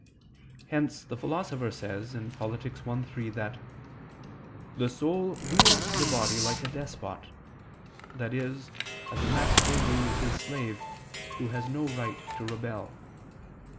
Hence the Philosopher says (Polit. i, 3) that "the soul rules the body like a despot," i.e. as a master rules his slave, who has no right to rebel.